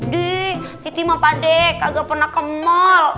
de siti mah pak de kagak pernah ke mal